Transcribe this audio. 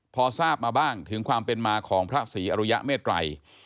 พอทราบมาบ้างถึงความเป็นมาของพระศรีอรุยะเมตรัย